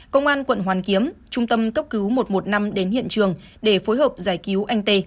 công an quận hoàn kiếm trung tâm cấp cứu một trăm một mươi năm đến hiện trường để phối hợp giải cứu anh tê